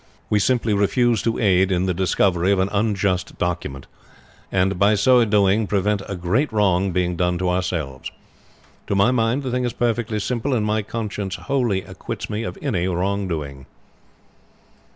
We simply refuse to aid in the discovery of an unjust document, and by so doing prevent a great wrong being done to ourselves. To my mind the thing is perfectly simple, and my conscience wholly acquits me of any wrong doing."